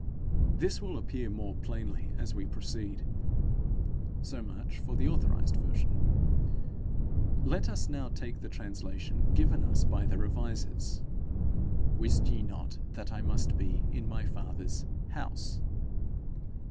This will appear more plainly as we proceed. So much for the authorized version. Let us now take the translation given us by the Revisers: 'Wist ye not that I must be in my father's house?'